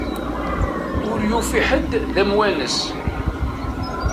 Ur yufi ḥedd d amwanes.